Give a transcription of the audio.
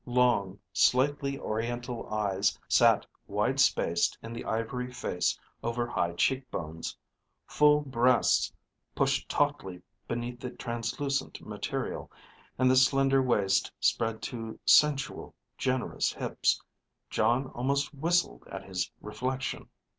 Long, slightly oriental eyes sat wide spaced in the ivory face over high cheekbones. Full breasts pushed tautly beneath the transluscent material, and the slender waist spread to sensual, generous hips. Jon almost whistled at his reflection.